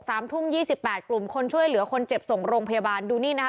สามทุ่มยี่สิบแปดกลุ่มคนช่วยเหลือคนเจ็บส่งโรงพยาบาลดูนี่นะคะ